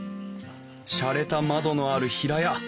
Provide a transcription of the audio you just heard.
しゃれた窓のある平屋。